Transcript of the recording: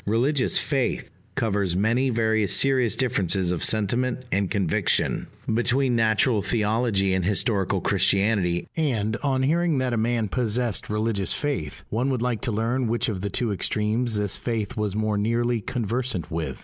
"Religious faith" covers many very serious differences of sentiment and conviction, between natural theology and historical Christianity; and, on hearing that a man possessed religious faith, one would like to learn which of the two extremes this faith was more nearly conversant with.